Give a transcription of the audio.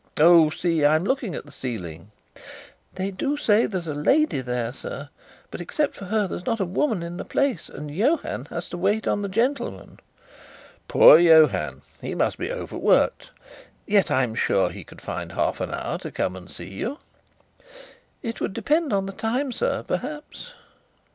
"Oh, see, I'm looking at the ceiling." "They do say there is a lady there, sir; but, except for her, there's not a woman in the place. And Johann has to wait on the gentlemen." "Poor Johann! He must be overworked. Yet I'm sure he could find half an hour to come and see you." "It would depend on the time, sir, perhaps."